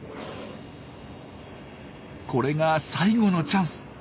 これが最後のチャンス。